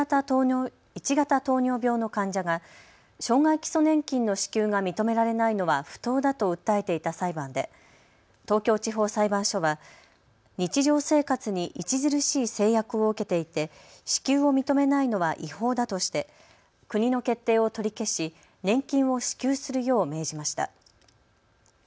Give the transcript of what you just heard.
１型糖尿病の患者が障害基礎年金の支給が認められないのは不当だと訴えていた裁判で東京地方裁判所は日常生活に著しい制約を受けていて支給を認めないのは違法だとして国の決定を取り消し年金を支給するよう命じました。